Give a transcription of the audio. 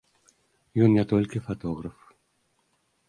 Ён не толькі фатограф.